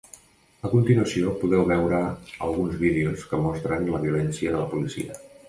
A continuació podeu veure alguns vídeos que mostren la violència de la policia.